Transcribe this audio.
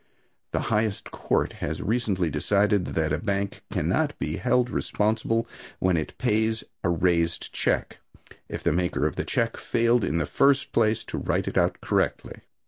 The highest court has recently decided that a bank cannot be held responsible, when it pays a "raised" check, if the maker of the check failed in the first place to write it out correctly.